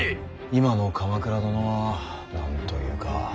今の鎌倉殿は何と言うか。